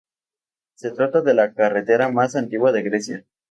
Se trata de la carretera más antigua de Grecia.